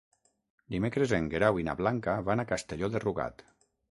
Dimecres en Guerau i na Blanca van a Castelló de Rugat.